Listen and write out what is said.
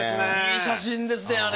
いい写真ですね！